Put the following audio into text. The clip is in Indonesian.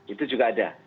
itu juga ada